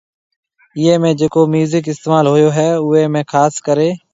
ايئيَ ۾ جِڪو ميوزڪ استعمال هوئيَ هيَ اوئيَ ۾ خاص ڪريَ